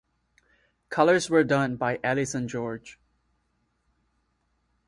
Colors were done by Alison George.